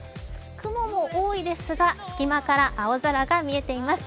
雲も多いですが、隙間から青空が見えています。